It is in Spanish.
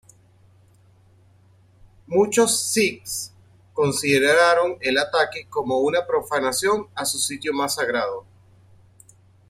Muchos sijs consideraron el ataque como una profanación a su sitio más sagrado.